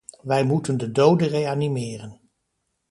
Wij moeten de dode reanimeren.